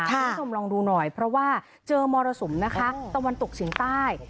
คุณผู้ชมลองดูหน่อยเพราะว่าเจอมรสุมนะคะตะวันตกเฉียงใต้